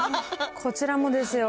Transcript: こちらもですよ。